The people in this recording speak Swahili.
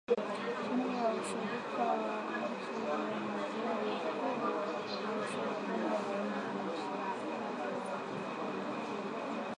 chini ya ushirika wa nchi za maziwa makuu na ushirikiano wa baina ya nchi